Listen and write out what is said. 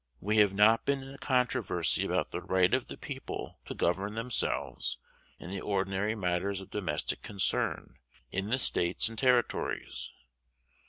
We have not been in a controversy about the right of the people to govern themselves in the ordinary matters of domestic concern in the States and Territories.